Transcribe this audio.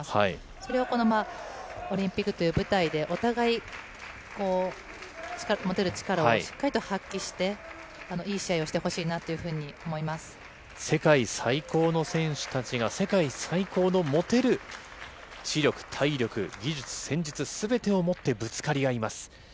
それをこのオリンピックという舞台でお互い、持てる力をしっかりと発揮して、いい試合をしてほしいなというふ世界最高の選手たちが、世界最高の持てる知力、体力、技術、戦術すべてを持ってぶつかり合います。